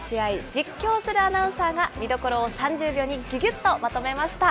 実況するアナウンサーが見どころを３０秒にぎゅぎゅっとまとめました。